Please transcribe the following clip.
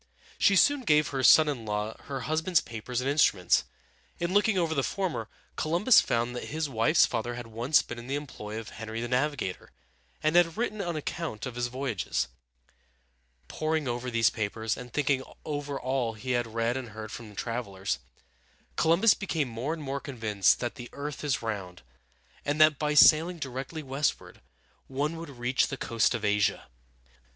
She soon gave her son in law her husband's papers and instruments. In looking over the former, Columbus found that his wife's father had once been in the employ of Henry the Navigator, and had written an account of his voyages. Poring over these papers, and thinking over all he had read and heard from travelers, Columbus became more and more convinced that the earth is round, and that by sailing directly westward one would reach the coast of Asia.